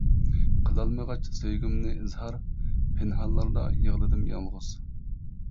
قىلالمىغاچ سۆيگۈمنى ئىزھار، پىنھانلاردا يىغلىدىم يالغۇز.